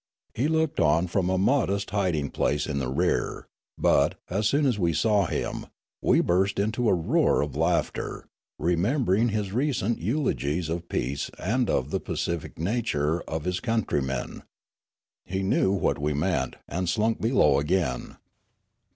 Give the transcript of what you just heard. He looked on from a modest hiding place in the rear; but, as soon as we saw him, we burst into a roar of laughter, remembering his recent eulogies of peace and of the pacific nature of his countrymen. He knew what we meant, and slunk below again.